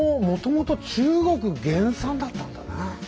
もともと中国原産だったんだね。